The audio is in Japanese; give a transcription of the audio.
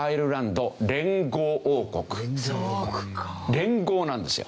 連合なんですよ。